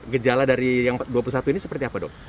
gejala dari yang dua puluh satu ini seperti apa dok